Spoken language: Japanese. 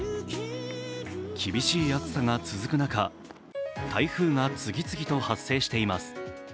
厳しい暑さが続く中台風が次々と発生しています。